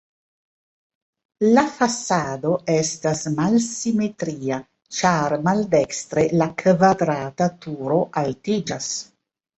La fasado estas malsimetria, ĉar maldekstre la kvadrata turo altiĝas.